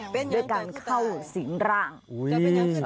เป็นอย่างที่ตายด้วยการเข้าสิงหรั่งจะเป็นอย่างที่ตาย